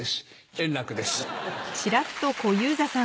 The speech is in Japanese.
円楽です。